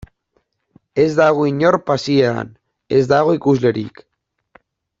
Ez dago inor pasieran, ez dago ikuslerik.